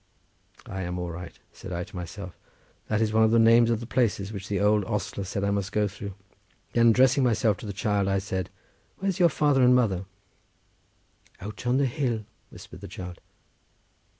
"I am all right," said I to myself, "that is one of the names of the places which the old ostler said I must go through." Then addressing myself to the child, I said, "Where's your father and mother?" "Out on the hill," whispered the child.